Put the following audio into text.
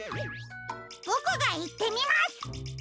ボクがいってみます！